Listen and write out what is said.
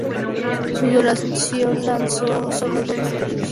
Su duración alcanzó solo dos números, con la segunda casi sin distribución.